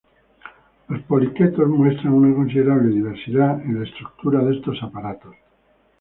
Los poliquetos muestran una considerable diversidad en la estructura de estos aparatos.